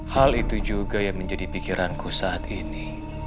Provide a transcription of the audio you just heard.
hal itu juga yang menjadi pikiranku saat ini